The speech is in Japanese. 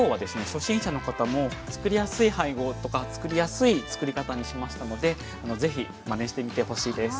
初心者の方も作りやすい配合とか作りやすい作り方にしましたのでぜひマネしてみてほしいです。